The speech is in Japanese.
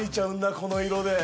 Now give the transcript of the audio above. この色で。